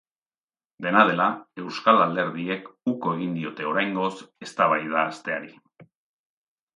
Dena dela, euskal alderdiek uko egin diote oraingoz eztabaida hasteari.